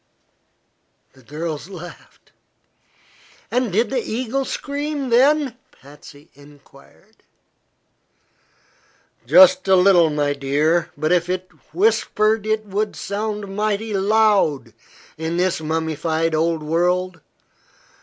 The girls laughed. "And did the eagle scream, then?" Patsy enquired. "Just a little, my dear; but if it whispered it would sound mighty loud in this mummified old world.